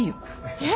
えっ！？